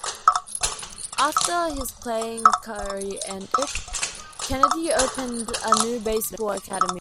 After his playing career ended, Kennedy opened up a new baseball academy.